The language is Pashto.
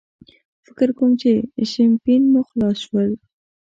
فکر کوم چې شیمپین مو خلاص شول.